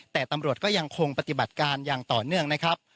แต่ตำรวจก็ยังคงปฏิบัติการอย่างต่อเนื่องนะครับ